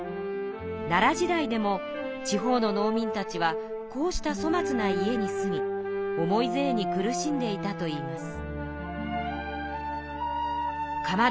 奈良時代でも地方の農民たちはこうしたそまつな家に住み重い税に苦しんでいたといいます。